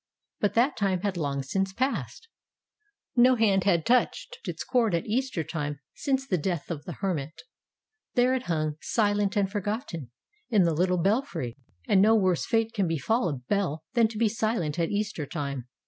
But that time had long since passed. No hand had touched its cord at Easter time since the death of the hermit. There it hung, silent and forgotten, in the little belfry, and no worse fate can befall a bell than to be silent at Easter time.